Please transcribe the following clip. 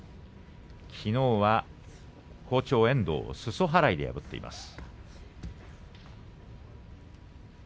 きのうは好調遠藤をすそ払いで破りました。